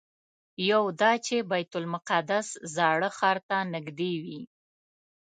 یو دا چې بیت المقدس زاړه ښار ته نږدې وي.